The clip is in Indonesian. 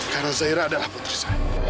karena zairah adalah putri saya